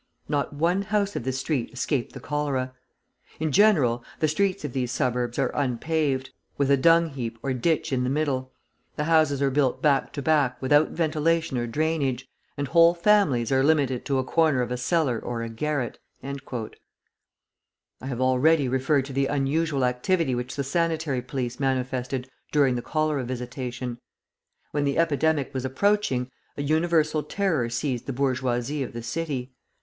Not one house of this street escaped the cholera. In general, the streets of these suburbs are unpaved, with a dung heap or ditch in the middle; the houses are built back to back, without ventilation or drainage, and whole families are limited to a corner of a cellar or a garret." I have already referred to the unusual activity which the sanitary police manifested during the cholera visitation. When the epidemic was approaching, a universal terror seized the bourgeoisie of the city.